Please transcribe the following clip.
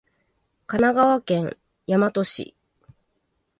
神奈川県大和市